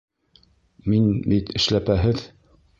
Мин бит эшләпәһеҙ!..